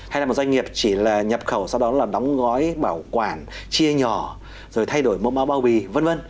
hay là một doanh nghiệp chỉ là nhập khẩu sau đó là đóng gói bảo quản chia nhỏ rồi thay đổi mẫu bao bì v v